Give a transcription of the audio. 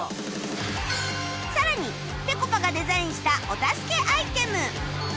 さらにぺこぱがデザインしたお助けアイテム